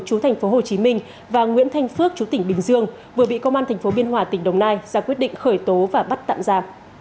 chú thành phố hồ chí minh và nguyễn thanh phước chú tỉnh bình dương vừa bị công an thành phố biên hòa tỉnh đồng nai ra quyết định khởi tố và bắt tạm giả